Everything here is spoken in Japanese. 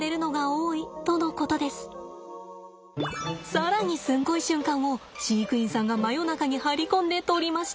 更にすんごい瞬間を飼育員さんが真夜中に張り込んで撮りました。